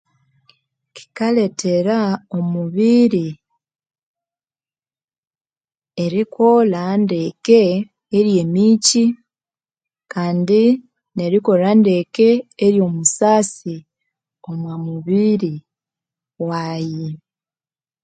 Kyi kyikalethera omubiri erikolha ndeke eryemikyi kandi nerikolha ndeke eryo musasi omu mubiri waghi